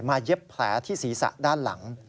เย็บแผลที่ศีรษะด้านหลัง